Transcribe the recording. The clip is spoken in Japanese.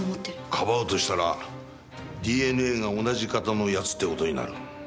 庇うとしたらＤＮＡが同じ型の奴って事になる。